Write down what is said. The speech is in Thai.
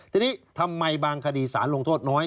ทีนี้ทำไมบางคดีสารลงโทษน้อย